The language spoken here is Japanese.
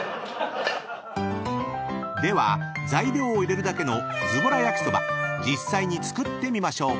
［では材料を入れるだけのズボラ焼きそば実際に作ってみましょう］